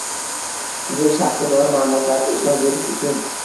Subyekt shaxsga doir ma’lumotlarga ishlov berish uchun